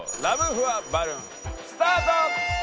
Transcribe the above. ふわバルーンスタート！